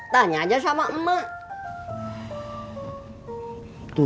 tanya aja sama emak